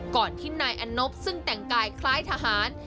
ก่อนที่นายอนบซึ่งแต่งกายคล้ายทหาร